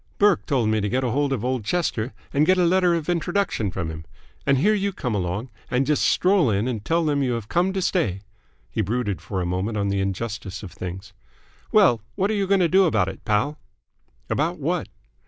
Burke told me to get hold of old Chester and get a letter of introduction from him. And here you come along and just stroll in and tell them you have come to stay!" He brooded for a moment on the injustice of things. "Well, what are you going to do about it, Pal?" "About what?"